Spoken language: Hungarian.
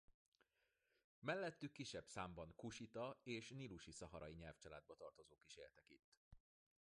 Mellettük kisebb számban kusita és nílusi-szaharai nyelvcsaládba tartozók is éltek itt.